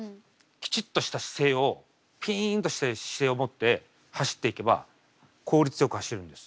きちっとした姿勢をピンとしてる姿勢をもって走っていけば効率よく走れるんです。